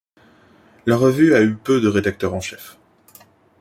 La revue a eu peu de rédacteurs en chef.